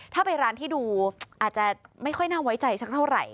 ถ้าไปร้านที่ดูอาจจะไม่ค่อยน่าไว้ใจสักเท่าไหร่